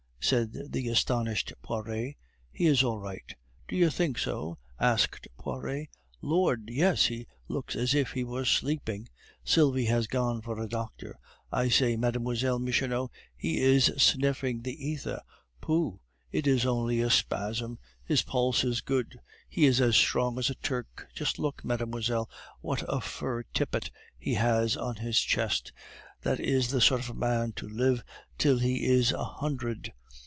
said the astonished Poiret. "He is all right." "Do you think so?" asked Poiret. "Lord! Yes, he looks as if he were sleeping. Sylvie has gone for a doctor. I say, Mlle. Michonneau, he is sniffing the ether. Pooh! it is only a spasm. His pulse is good. He is as strong as a Turk. Just look, mademoiselle, what a fur tippet he has on his chest; that is the sort of man to live till he is a hundred.